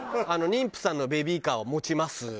妊婦さんのベビーカーは持ちます。